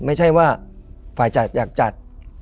ไม่ใช่ว่าฝ่ายจัดอยากจัด